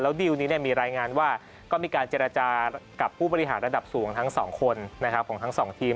ดิวนี้มีรายงานว่าก็มีการเจรจากับผู้บริหารระดับสูงทั้งสองคนของทั้งสองทีม